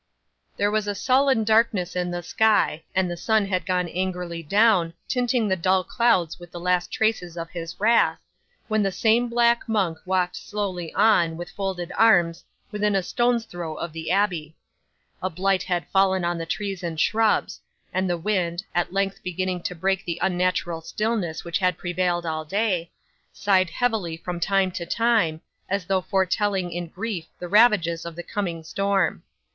'There was a sullen darkness in the sky, and the sun had gone angrily down, tinting the dull clouds with the last traces of his wrath, when the same black monk walked slowly on, with folded arms, within a stone's throw of the abbey. A blight had fallen on the trees and shrubs; and the wind, at length beginning to break the unnatural stillness that had prevailed all day, sighed heavily from time to time, as though foretelling in grief the ravages of the coming storm.